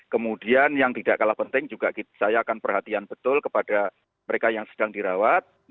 kemudian yang tidak kalah penting juga saya akan perhatian betul kepada mereka yang sedang dirawat